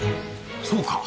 そうか。